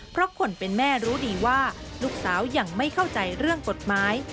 เพราะคนเป็นแม่รู้ดีว่าลูกสาวยังไม่เข้าใจเรื่องกฎหมาย